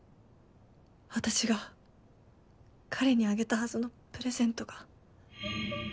私が彼にあげたはずのプレゼントが。